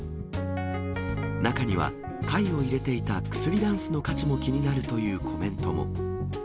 中には、貝を入れていた薬だんすの価値も気になるというコメントも。